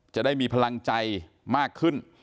จะได้มีพลังใจมากขึ้น